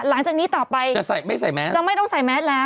หลังจากนี้ต่อไปจะไม่ต้องใส่แม่ต์แล้ว